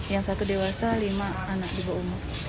yang satu dewasa lima anak di bawah umur